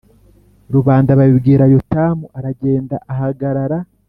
Rubanda babibwira Yotamu aragenda ahagarara